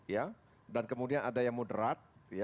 ya dan kemudian ada yang moderat